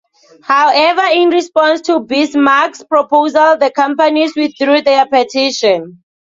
However, in response to Bismarck's proposal, the companies withdrew their petition.